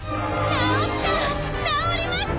治った！